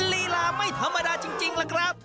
ลีลาไม่ธรรมดาจริงล่ะครับ